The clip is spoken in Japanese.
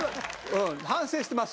うん反省してます。